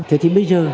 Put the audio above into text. thế thì bây giờ